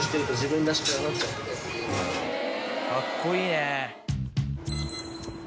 カッコいいね。